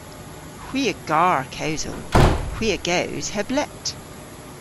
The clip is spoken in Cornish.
Hwi a gar kewsel. Hwi a gews heb lett.